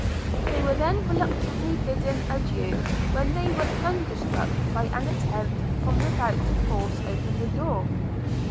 They were then reluctantly bidding adieu, when they were thunder struck by an attempt from without to force open the door.